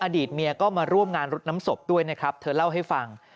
อดีตเมียก็มาร่วมงานรดน้ำศพด้วยนะครับเธอเล่าให้ฟัง